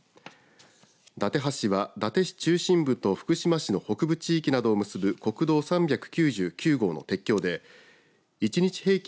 伊達橋は伊達市中心部と福島市の北部地域などを結ぶ国道３９９号の鉄橋で１日平均